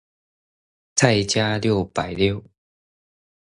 再加六百六